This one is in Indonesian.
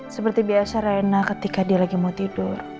seperti biasa rena ketika dia lagi mau tidur